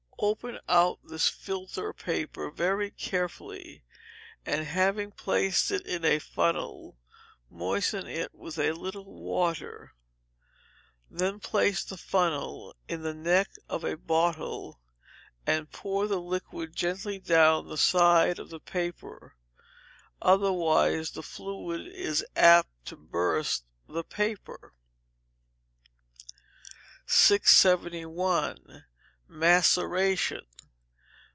Open out this filter paper very carefully, and having placed it in a funnel, moisten it with a little water. Then place the funnel in the neck of the bottle, and pour the liquid gently down the side of the paper, otherwise the fluid is apt to burst the paper. 671. Maceration.